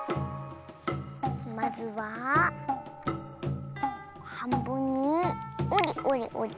まずははんぶんにおりおりおり。